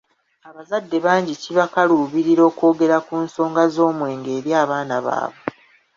Abazadde bangi kibakaluubirira okwogera ku nsonga z’omwenge eri abaana baabwe.